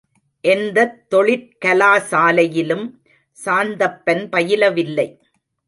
எந்தத் தொழிற்கலாசாலையிலும் சாந்தப்பன் பயிலவில்லை.